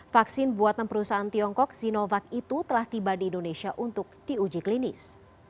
vaksin buatan perusahaan tiongkok sinovac itu telah tiba di indonesia untuk diuji klinis